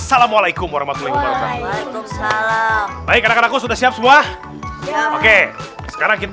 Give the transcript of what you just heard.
sakit banget aku juga sakit